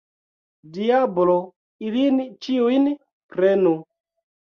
Diablo ilin ĉiujn prenu!